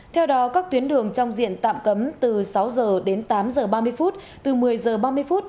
theo đó các tuyến đường trong diện tạm cấm từ sáu giờ đến tám giờ ba mươi phút từ một mươi giờ ba mươi phút đến một mươi giờ ba mươi phút